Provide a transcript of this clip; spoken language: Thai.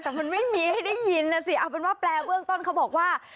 แต่มันไม่มีให้ได้ยินนะสิเอาเป็นว่าแปลเบื้องต้นเขาบอกว่า